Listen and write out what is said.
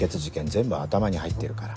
全部頭に入ってるから。